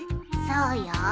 そうよ。